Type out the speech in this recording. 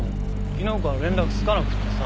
昨日から連絡つかなくってさ。